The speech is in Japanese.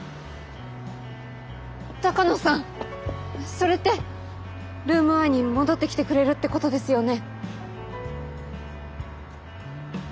それってルーム１に戻ってきてくれるってことですよね？